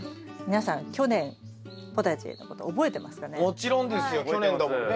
もちろんですよ去年だもんね。